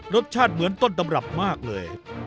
รสชาติเหมือนต้นตำรับมากเลย